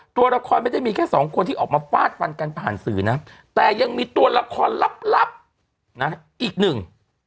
ตัวละครไม่ได้มีแค่สองคนที่ออกมาฟาดฟันกันผ่านสื่อนะแต่ยังมีตัวละครลับลับนะอีกหนึ่ง